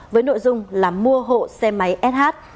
với nội dung là mua hộ xe máy sh